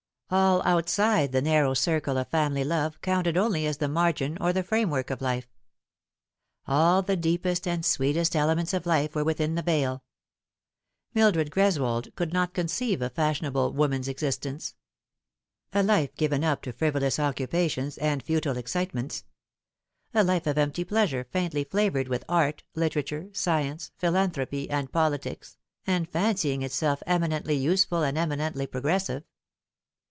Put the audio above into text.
All outside the narrow circle of family love counted only as the margin or the frame work of life. All the deepest and sweetest elements of life were within the veil. Mildred Greswold could not conceive a fashion able woman's existence a life given up to frivolous occupations and futile excitements a life of empty pleasure faintly flavoured with art, literature, science, philanthropy, and politics, and fancy ing itself eminently useful and eminently progressive.